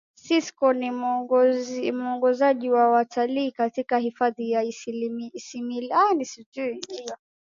sisco ni muongozaji wa watalii katika hifadhini ya isimila